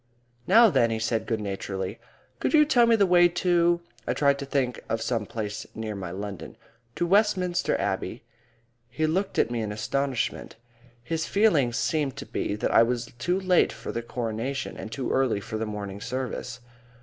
"Now then," he said good naturedly. "Could you tell me the way to" I tried to think of some place near my London "to Westminster Abbey?" He looked at me in astonishment. His feeling seemed to be that I was too late for the Coronation and too early for the morning service.